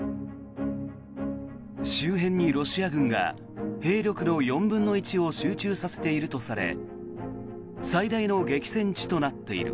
周辺にロシア軍が兵力の４分の１を集中させているとされ最大の激戦地となっている。